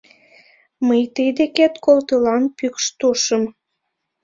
Мый тый декет колтылам пӱкш тушым